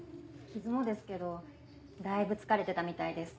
傷もですけどだいぶ疲れてたみたいです。